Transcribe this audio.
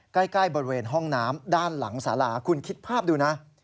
ใกล้บริเวณห้องน้ำด้านหลังสาราคุณคิดภาพดูนะ